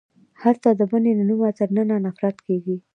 هلته د بنې له نومه تر ننه نفرت کیږي